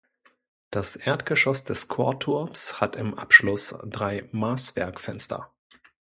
Das Erdgeschoss des Chorturms hat im Abschluss drei Maßwerkfenster.